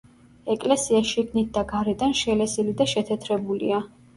ეკლესია შიგნით და გარედან შელესილი და შეთეთრებულია.